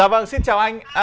dạ vâng xin chào anh